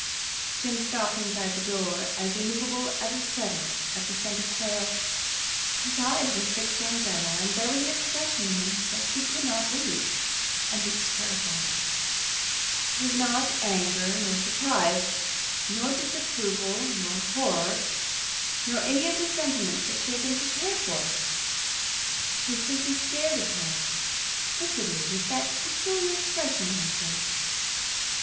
Jim stopped inside the door, as immovable as a setter at the scent of quail. His eyes were fixed upon Della, and there was an expression in them that she could not read, and it terrified her. It was not anger, nor surprise, nor disapproval, nor horror, nor any of the sentiments that she had been prepared for. He simply stared at her fixedly with that peculiar expression on his face.